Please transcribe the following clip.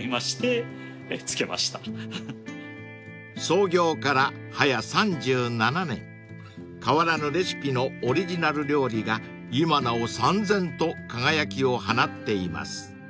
［創業からはや３７年変わらぬレシピのオリジナル料理が今なおさんぜんと輝きを放っています］